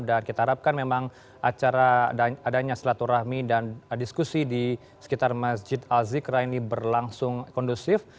dan kita harapkan memang acara adanya silaturahmi dan diskusi di sekitar masjid azikra ini berlangsung kondusif